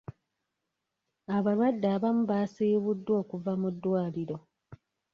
Abalwadde abamu baasiibuddwa okuva mu ddwaliro.